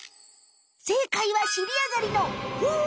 正解は尻上がりの「ホゥ？」